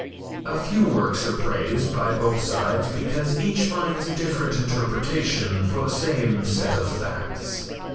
A few works are praised by both sides because each finds a different interpretation for the same set of facts.